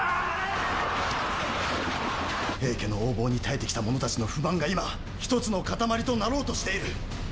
平家の横暴に耐えてきた者たちの不満が今１つの塊となろうとしている。